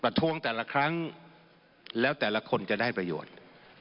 ทวงแต่ละครั้งแล้วแต่ละคนจะได้ประโยชน์